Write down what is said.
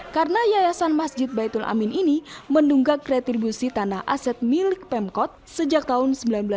karena yayasan masjid baitul amin ini mendunggak retribusi tanah aset milik pemkot sejak tahun seribu sembilan ratus sembilan puluh tujuh